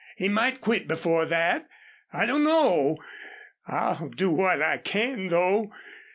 He might quit before that I dunno. I'll do what I can though."